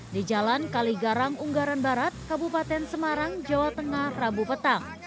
di jalan kaligarang unggaran barat kabupaten semarang jawa tengah rabu petang